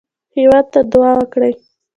هېواد ته دعا وکړئ